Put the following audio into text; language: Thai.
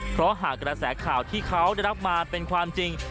เพราะหากกระแสข่าวที่เขาได้รับมาเป็นความจริง